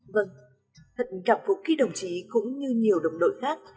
vâng thật cảm phục khi đồng chí cũng như nhiều đồng đội khác